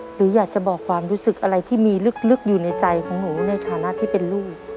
หรืออยากจะบอกความรู้สึกอะไรที่มีลึกอยู่ในใจของหนูในฐานะที่เป็นลูก